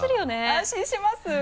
安心します。